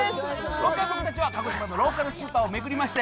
今回、僕たちは鹿児島のローカルスーパーを巡りまして、